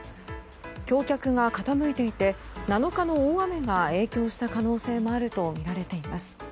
橋脚が傾いていて７日の大雨が影響した可能性もあるとみられています。